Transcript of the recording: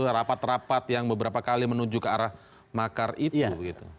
rapat rapat yang beberapa kali menuju ke arah makar itu